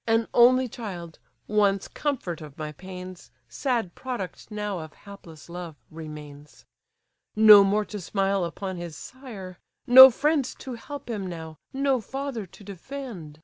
An only child, once comfort of my pains, Sad product now of hapless love, remains! No more to smile upon his sire; no friend To help him now! no father to defend!